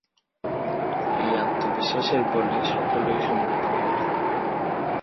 এই আত্মবিশ্বাসের বলে সকলই সম্ভব হইবে।